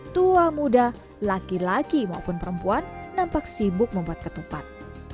tua muda laki laki maupun perempuan nampak sibuk membuat ketupat